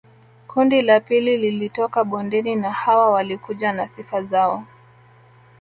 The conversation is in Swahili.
Kundi la pili lilitoka bondeni na hawa walikuja na sifa zao